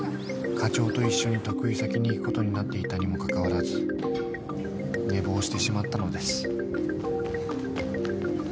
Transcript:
［課長と一緒に得意先に行くことになっていたにもかかわらず寝坊してしまったのです］